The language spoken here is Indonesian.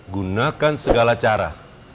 gunakan segala cara